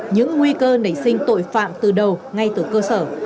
những nguy cơ nảy sinh tội phạm từ đầu ngay từ cơ sở